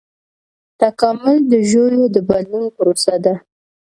تکامل د ژویو د بدلون پروسه ده